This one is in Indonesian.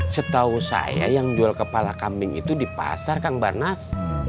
setau saya yang jual kepala kambing itu di pasar kang bar nas